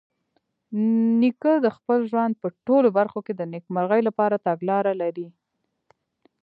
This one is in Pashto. نیکه د خپل ژوند په ټولو برخو کې د نیکمرغۍ لپاره تګلاره لري.